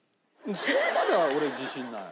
そこまでは俺自信ない。